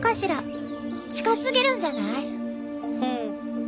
近すぎるんじゃない？